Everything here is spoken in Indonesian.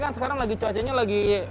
karena sekarang cuacanya lagi